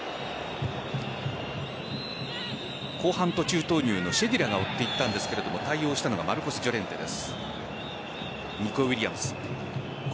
後半途中投入のシェディラが追っていたんですが対応したのはマルコスジョレンテです。